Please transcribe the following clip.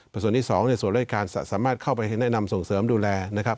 พัฒนี่สองหลายการสามารถเข้าไปให้แนะนำส่งเสริมดูแล